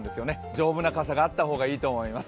丈夫な傘があった方がいいと思います。